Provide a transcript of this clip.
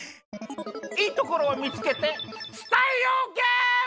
いいところを見つけて伝えようゲーム！